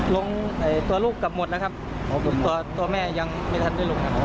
ลงตัวลูกกลับหมดแล้วครับตัวตัวแม่ยังไม่ทันด้วยหลุมครับ